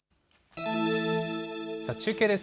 中継です。